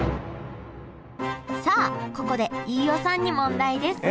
さあここで飯尾さんに問題です！えっ！？